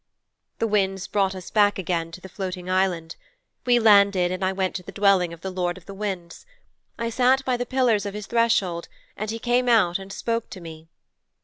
'The winds brought us back again to the floating Island. We landed and I went to the dwelling of the Lord of the Winds. I sat by the pillars of his threshold and he came out and spoke to me.